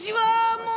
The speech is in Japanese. もう。